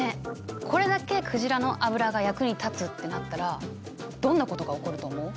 これだけ鯨の油が役に立つってなったらどんなことが起こると思う？